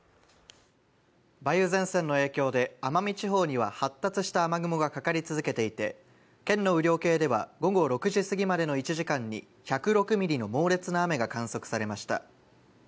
梅雨前線の影響で奄美地方には発達した雨雲がかかり続けていて、県の雨量計では午後６時すぎまでの１時間に１０６ミリの猛烈な雨が観測されました。